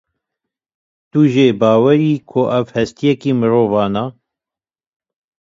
Tu jê bawer î ku ev hestiyekî mirovan e?